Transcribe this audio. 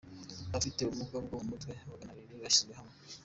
Abafite ubumuga bwo mu mutwe Magana abiri bashyizwe hamwe